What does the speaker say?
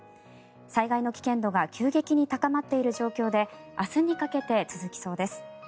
災害の危険度が急激に高まっている状況で明日にかけて続きそうです。